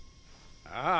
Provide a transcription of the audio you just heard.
ああ。